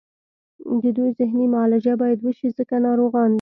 د دوی ذهني معالجه باید وشي ځکه ناروغان دي